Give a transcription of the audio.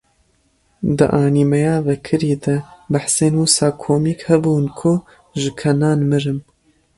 Di anîmeya vekirî de behsên wisa komîk hebûn ku ji kenan mirim.